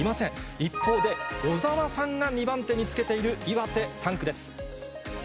一方で、小沢さんが２番手につけている岩手３区です。